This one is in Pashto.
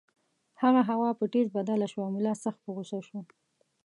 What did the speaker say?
هغه هوا په ټیز بدله شوه او ملا سخت په غُصه شو.